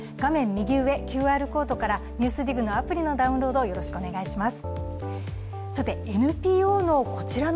右上、ＱＲコードから「ＮＥＷＳＤＩＧ」のアプリのダウンロードをよろしくお願いします。